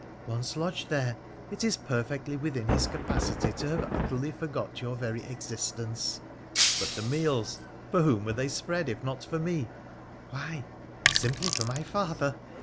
Once lodged there, it is perfectly within his capacity to have utterly forgot your very existence.' ' But the meals — for whom were they spread, if not for me?' ' Why, simply for my father.